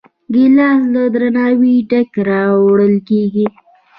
ګیلاس له درناوي ډک راوړل کېږي.